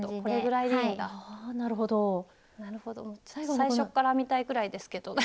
最初から編みたいくらいですけど。